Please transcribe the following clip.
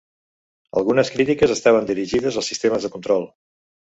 Algunes crítiques estaven dirigides als sistemes de control.